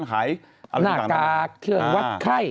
หายหน้ากากเครื่องวัดไข้